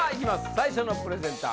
最初のプレゼンター